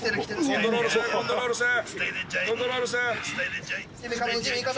コントロールせえコントロールせえ。